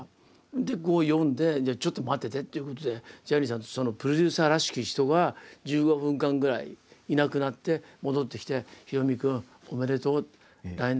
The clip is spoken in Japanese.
で読んで「ちょっと待ってて」っていうことでジャニーさんとそのプロデューサーらしき人が１５分間ぐらいいなくなって戻ってきてすごいですね。